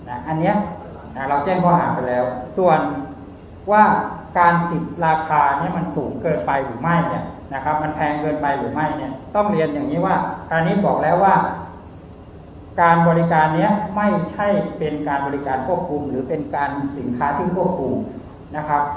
อันนี้เราแจ้งข้อหาไปแล้วส่วนว่าการติดราคาเนี่ยมันสูงเกินไปหรือไม่เนี่ยนะครับมันแพงเกินไปหรือไม่เนี่ยต้องเรียนอย่างนี้ว่าคราวนี้บอกแล้วว่าการบริการนี้ไม่ใช่เป็นการบริการควบคุมหรือเป็นการสินค้าที่ควบคุมนะครับ